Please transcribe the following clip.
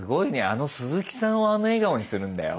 あのすずきさんをあの笑顔にするんだよ。